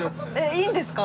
いいんですか？